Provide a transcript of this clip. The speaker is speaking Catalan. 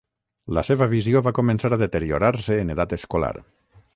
La seva visió va començar a deteriorar-se en edat escolar.